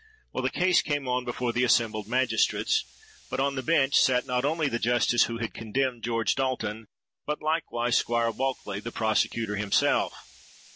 Well, the case came on before the assembled magistrates; but on the bench sate not only the justice who had condemned George Dalton, but likewise Squire Bulkeley, the prosecutor himself!